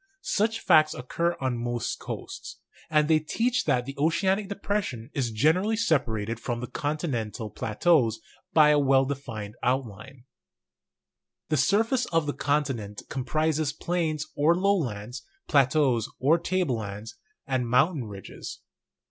Such facts occur on most coasts ; and they teach that the oceanic depression is generally separated from the continental plateaus by a well defined outline. The surface of the continent comprises plains or low lands, plateaus or table lands, and mountain ridges.